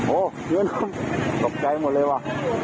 โอ้ตกใจหมดเลยว่ะ